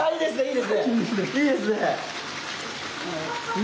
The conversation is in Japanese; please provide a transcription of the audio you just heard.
いいですねえ！